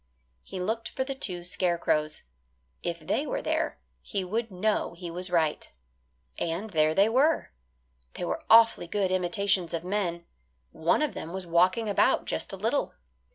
He looked for the two scarecrows. If they were there he would know he was right. And there they were. They were awfully good imitations of men. One of them was walking about just a little.